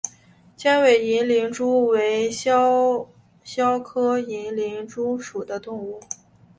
尖尾银鳞蛛为肖峭科银鳞蛛属的动物。